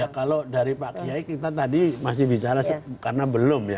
ya kalau dari pak kiai kita tadi masih bicara karena belum ya